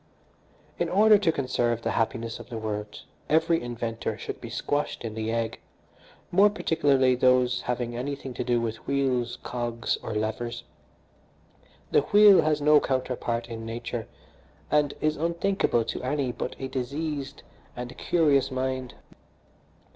"In order to conserve the happiness of the world every inventor should be squashed in the egg, more particularly those having anything to do with wheels, cogs or levers. The wheel has no counterpart in nature, and is unthinkable to any but a diseased and curious mind.